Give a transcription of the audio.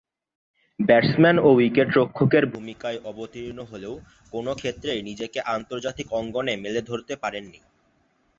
Batsman ও উইকেট-রক্ষকের ভূমিকায় অবতীর্ণ হলেও কোন ক্ষেত্রেই নিজেকে আন্তর্জাতিক অঙ্গনে মেলে ধরতে পারেননি।